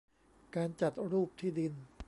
การจัดรูปที่ดิน